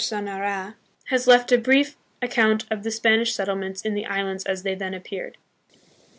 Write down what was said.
Sonnerat, has left a brief account of the Spanish settlements in the islands as they then appeared.